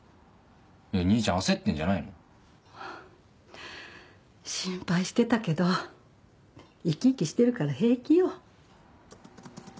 兄ちゃん焦ってんじゃないの？心配してたけど生き生きしてるから平気よ。